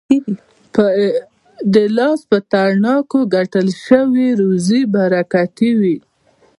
د لاس په تڼاکو ګټل سوې روزي برکتي وي.